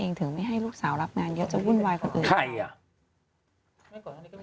ถึงไม่ให้ลูกสาวรับงานเยอะจะวุ่นวายกว่าอื่นใครอ่ะ